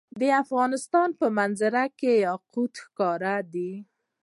د افغانستان په منظره کې یاقوت ښکاره ده.